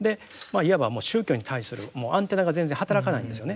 いわばもう宗教に対するアンテナが全然働かないんですよね。